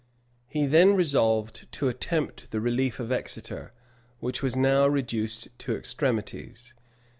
He then resolved to attempt the relief of Exeter, which was now reduced to extremities.